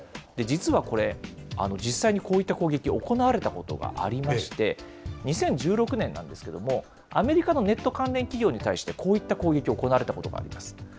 実はこれ、実際にこういった攻撃が行われたことがありまして、２０１６年なんですけれども、アメリカのネット関連企業に対して、こういった攻撃が行われたことがあります。